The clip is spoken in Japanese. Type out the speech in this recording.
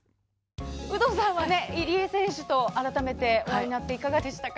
有働さんは入江選手と改めてお会いになっていかがでしたか？